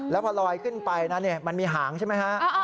แล้วพอลอยขึ้นไปนะมันมีหางใช่ไหมฮะ